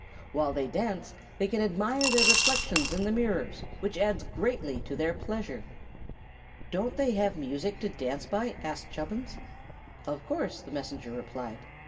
While they dance they can admire their reflections in the mirrors, which adds greatly to their pleasure." "Don't they have music to dance by?" asked Chubbins. "Of course," the Messenger replied.